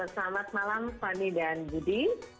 selamat malam fani dan budi